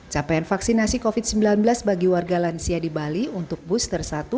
capaian vaksinasi covid sembilan belas bagi warga lansia di bali untuk booster satu